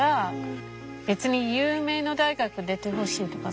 別に有名な大学出てほしいとか